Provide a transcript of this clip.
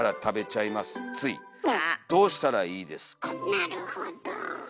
なるほど。